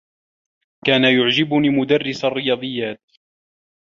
كان يعجبني مدرّس الرّياضيّات.